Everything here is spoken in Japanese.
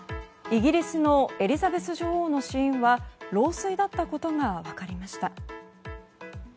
イギリスのエリザベス女王の死因は老衰だったことが分かりました。